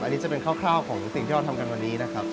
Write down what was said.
อันนี้จะเป็นคร่าวของสิ่งที่เราทำกันวันนี้นะครับ